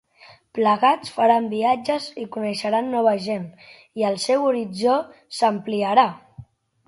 Plegats, faran viatges i coneixeran nova gent, i el seu horitzó s'ampliarà!